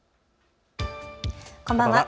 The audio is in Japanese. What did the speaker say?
こんばんは。